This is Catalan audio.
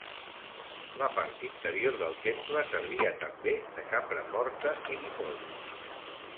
La part interior del temple servia també de cambra forta i dipòsit.